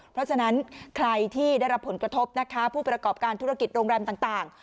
เพราะฉะนั้นใครที่ได้รับผลกระทบนะคะผู้ประกอบการธุรกิจโรงแรมต่าง